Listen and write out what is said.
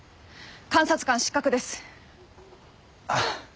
監察官失格です。